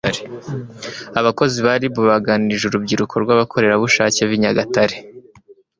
abakozi ba RIB baganirije urubyiruko rw'abakorerabushake b'i Nyagatare